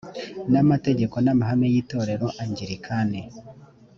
n amategeko n amahame y itorero angilikani